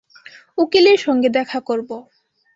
উকিলের সঙ্গে দেখা করব।